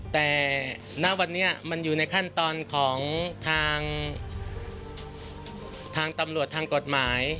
แต่ณวันนี้มันอยู่ในขั้นตอนของทางตำรวจทางกฎหมาย